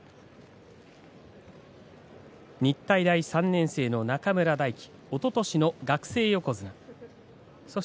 日体大３年生の中村泰輝、おととしの学生横綱です。